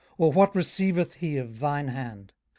or what receiveth he of thine hand?